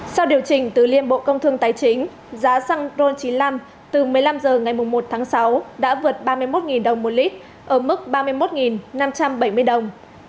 sau điều chỉnh từ liên bộ công thương tài chính giá xăng ron chín mươi năm từ một mươi năm h ngày một tháng sáu đã vượt ba mươi một đồng một lít ở mức ba mươi một năm trăm bảy mươi đồng